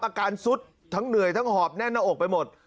อาการซุดทั้งเหนื่อยทั้งหอบแน่นหน้าอกไปหมด